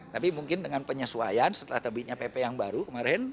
tapi mungkin dengan penyesuaian setelah terbitnya pp yang baru kemarin